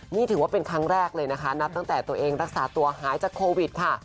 นี่ถือว่าเป็นครั้งแรกเลยนะคะนับตั้งแต่ตัวเองรักษาตัวหายจากโควิดค่ะ